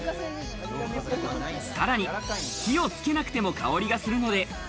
さらに気をつけなくても香りがするので。